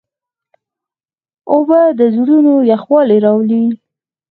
اوبه د زړونو یخوالی راولي.